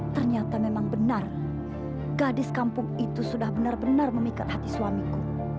ternyata memang benar gadis kampung itu sudah benar benar memikat hati suamiku